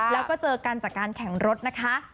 แล้วก็เจอกันจากการแข่งรถนะคะ